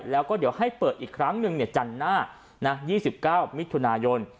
แล้วก็เดี๋ยวให้เปิดอีกครั้งหนึ่งจันทร์หน้า๒๙มิถุนายน